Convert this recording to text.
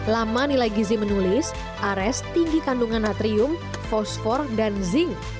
lama nilai gizi menulis ares tinggi kandungan natrium fosfor dan zinc